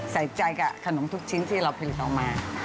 ใส่ใจกับขนมทุกชิ้นที่เราผลิตออกมา